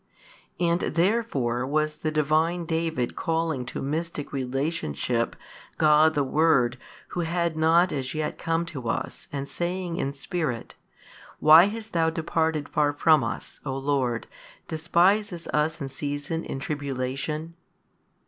And therefore was the Divine David calling to Mystic relationship God the Word Who had not as yet come to us and saying in spirit, Why hast Thou departed far from us, O Lord, despisest us in season in tribulation?